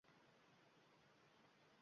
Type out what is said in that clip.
muammoni ochiq yechmasdan